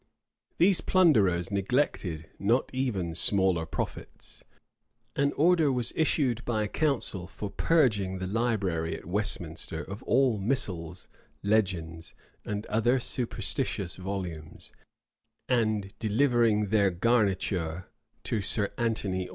[] These plunderers neglected not even smaller profits. An order was issued by council for purging the library at Westminster of all missals, legends, and other superstitious volumes, and delivering their garniture to Sir Anthony Aucher.